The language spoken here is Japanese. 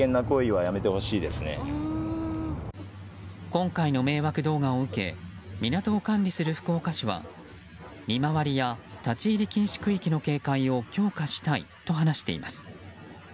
今回の迷惑動画を受け港を管理する福岡市は見回りや立ち入り禁止区域の警戒を強化したいと話しています。